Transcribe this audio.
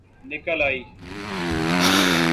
نکل آئ